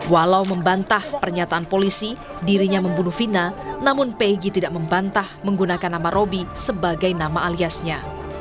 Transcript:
walau membantah pernyataan polisi dirinya membunuh vina namun pegi tidak membantah menggunakan nama roby sebagai nama aliasnya